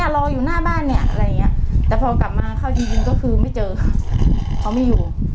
เขาไม่อยู่เป็นเป็นแบบเนี้ยค่ะเป็นคนคือเหมือนกลางไปแค่นั้นเองเนี้ย